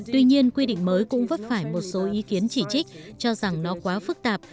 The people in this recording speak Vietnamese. tuy nhiên quy định mới cũng vấp phải một số ý kiến chỉ trích cho rằng nó quá phức tạp